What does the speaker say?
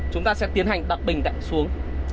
chúng ta sẽ tiến hành đặt bình đặt xuống